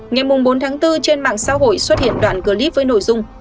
ngày bốn tháng bốn trên mạng xã hội xuất hiện đoạn clip với nội dung